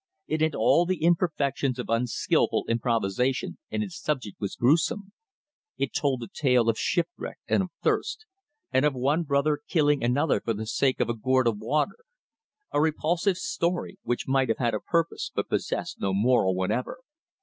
It had all the imperfections of unskilful improvisation and its subject was gruesome. It told a tale of shipwreck and of thirst, and of one brother killing another for the sake of a gourd of water. A repulsive story which might have had a purpose but possessed no moral whatever.